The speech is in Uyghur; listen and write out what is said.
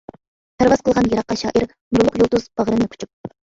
پەرۋاز قىلغان يىراققا شائىر، نۇرلۇق يۇلتۇز باغرىنى قۇچۇپ.